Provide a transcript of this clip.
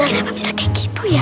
eh jangan kenapa bisa kaya gitu ya